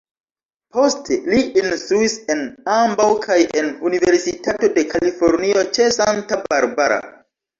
Poste li instruis en ambaŭ kaj en la Universitato de Kalifornio ĉe Santa Barbara.